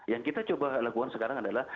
yang kita coba lakukan sekarang adalah